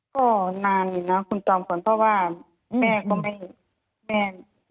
ก็นานอยู่นะคุณจอมขวัญเพราะว่าแม่ก็ไม่แม่